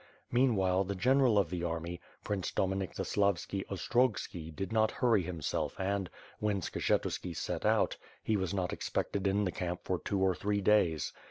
Meanwhile, the general of the army. Prince Dominik Zaslavski Ostrogski did not hurry him self and, when Skshetuski set out, he was not expected in the camp for two or three days.